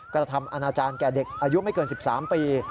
กระทำอนาจารย์แก่เด็กอายุไม่เกิน๑๓ปี